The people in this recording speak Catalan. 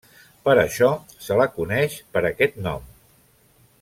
Per això se la coneix per aquest nom.